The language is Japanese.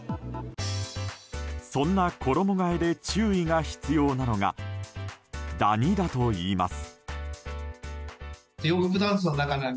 そんな衣替えで注意が必要なのがダニだといいます。